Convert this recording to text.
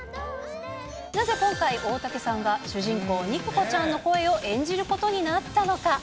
なぜ今回、大竹さんが主人公、肉子ちゃんの声を演じることになったのか。